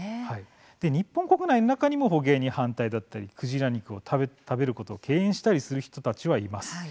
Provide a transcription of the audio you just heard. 日本国内の中にも捕鯨に反対だったりクジラ肉を食べることを敬遠したりする人たちはいます。